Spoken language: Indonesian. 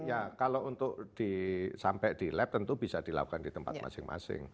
ya kalau untuk sampai di lab tentu bisa dilakukan di tempat masing masing